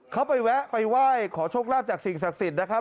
เขาไปแวะไปไหว้ขอโชคลาภจากสิ่งศักดิ์สิทธิ์นะครับ